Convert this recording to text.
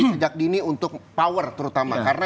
sejak dini untuk power terutama karena